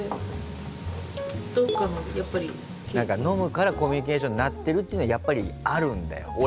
飲むからコミュニケーションになってるっていうのはやっぱりあるんだよ。